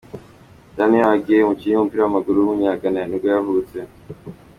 Daniel Agyei, umukinnyi w’umupira w’amaguru w’umunyagana nibwo yavutse.